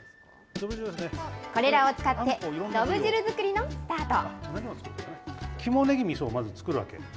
これらを使って、どぶ汁作りのスタート。